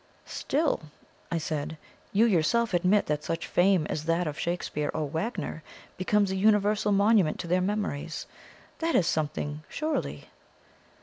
"Still," I said, "you yourself admit that such fame as that of Shakespeare or Wagner becomes a universal monument to their memories. That is something, surely?"